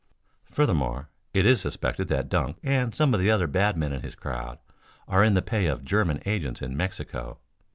"Furthermore, it is suspected that Dunk and some of the other bad men of his crowd are in the pay of German agents in Mexico.